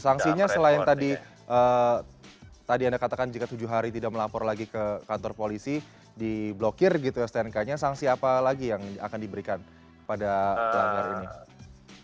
sanksinya selain tadi anda katakan jika tujuh hari tidak melapor lagi ke kantor polisi diblokir gitu stnk nya sanksi apa lagi yang akan diberikan kepada pelanggar ini